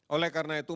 oleh karena itu